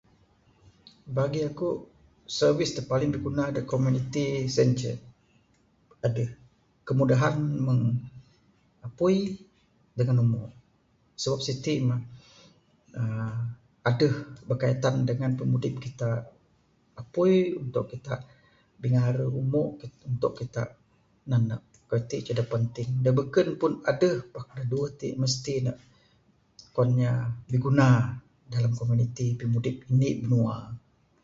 Bagi aku, service da paling biguna da komuniti sien inceh adeh kemudahan meng apui dangan umo. Sabab siti mah aaa adeh berkaitan dangan pimudip kita. Apui, untuk kita bingare. Umo kit, untuk kita nanek. Kayuh ti da penting da beken pun adeh pak ne duweh ti mesti ne kuan inya biguna dalam komuniti pimudip indi binua.